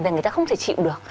người ta không thể chịu được